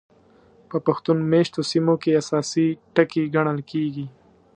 په پښتون مېشتو سیمو کې اساسي ټکي ګڼل کېږي.